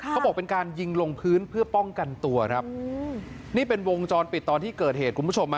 เขาบอกเป็นการยิงลงพื้นเพื่อป้องกันตัวครับนี่เป็นวงจรปิดตอนที่เกิดเหตุคุณผู้ชมฮะ